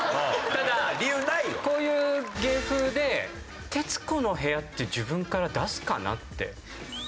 ただこういう芸風で『徹子の部屋』って自分から出すかな？って。